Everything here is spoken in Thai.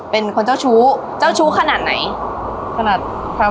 เป็นคนเจ้าชู้เจ้าชู้ขนาดไหนขนาดของผู้หญิง